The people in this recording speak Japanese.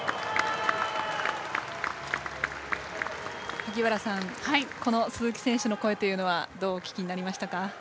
萩原さん、鈴木選手の声というのはどうお聞きになりました？